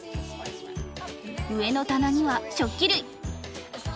上の棚には食器類。